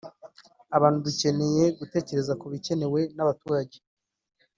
“Abantu dukeneye gutekereza ku bikenewe n’abaturage